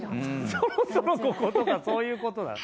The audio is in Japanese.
「そろそろここ」とかそういうことなの？